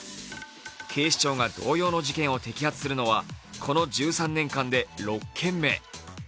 警視庁が同様の事件を摘発するのは、この１３年間で６件目。